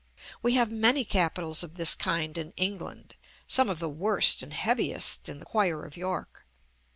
We have many capitals of this kind in England: some of the worst and heaviest in the choir of York.